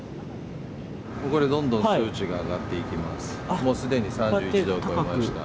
これ、どんどん数値が上がっています。